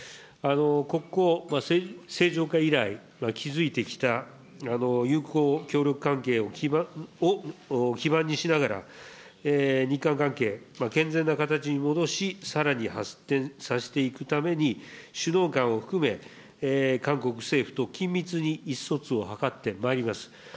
国交正常化以来、築いてきた友好協力関係を基盤にしながら、日韓関係、健全な形に戻し、さらに発展させていくために、首脳間を含め、韓国政府と緊密に意思疎通を図ってまいります。